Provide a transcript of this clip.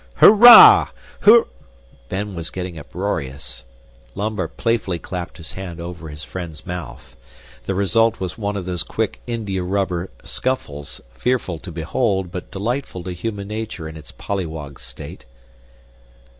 Hurrah! hur " Ben was getting uproarious; Lambert playfully clapped his hand over his friend's mouth. The result was one of those quick India rubber scuffles fearful to behold but delightful to human nature in its polliwog state.